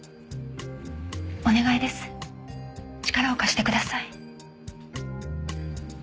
お願いです力を貸してください。